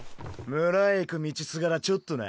村へ行く道すがらちょっとな。